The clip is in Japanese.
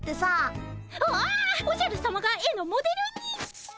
おじゃるさまが絵のモデルに！